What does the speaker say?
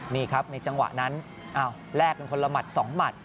นี่ครับในจังหวะนั้นแลกเป็นคนละหมัด๒หมัด